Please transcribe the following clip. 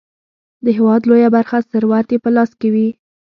د هیواد لویه برخه ثروت یې په لاس کې وي.